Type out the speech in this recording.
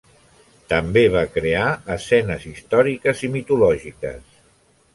També va crear escenes històriques i mitològiques.